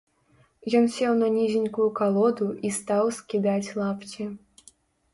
Ён сеў на нізенькую калоду і стаў скідаць лапці.